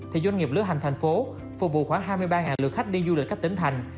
thì doanh nghiệp lưu hành thành phố phục vụ khoảng hai mươi ba lượt khách đi du lịch các tỉnh thành